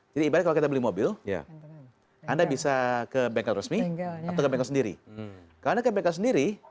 jadi ibaratnya kalau kita beli mobil anda bisa ke bengkel resmi atau ke bengkel sendiri